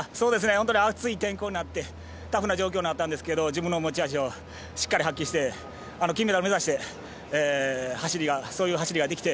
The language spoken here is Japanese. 暑い天候になってタフな状況になったんですけど自分の持ち味をしっかり発揮して金メダル目指してそういう走りができて。